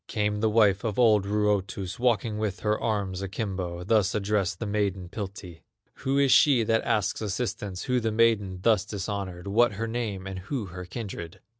Came the wife of old Ruotus, Walking with her arms akimbo, Thus addressed the maiden, Piltti: "Who is she that asks assistance, Who the maiden thus dishonored, What her name, and who her kindred?"